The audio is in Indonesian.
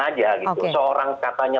aja gitu seorang katanya